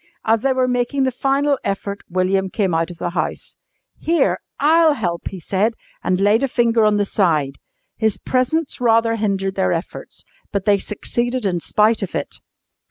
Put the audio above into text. As they were making the final effort William came out of the house. "Here, I'll help!" he said, and laid a finger on the side. His presence rather hindered their efforts, but they succeeded in spite of it.